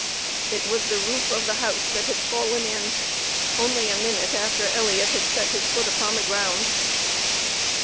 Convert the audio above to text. It was the roof of the house that had fallen in, only a minute after Elliot had set his foot upon the ground.